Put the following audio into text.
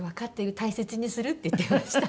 大切にする」って言ってました。